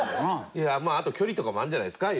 いやあと距離とかもあるんじゃないですか？